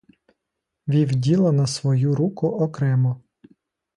Вів діло на свою руку окремо.